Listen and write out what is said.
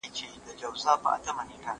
دا پاکوالی له هغه ضروري دی.